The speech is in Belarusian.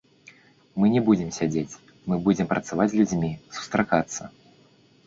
Мы не будзем сядзець, мы будзем працаваць з людзьмі, сустракацца.